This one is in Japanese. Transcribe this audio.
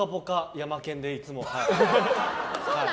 ヤマケンでいつも。